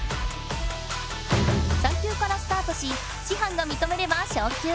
３級からスタートししはんがみとめれば昇級。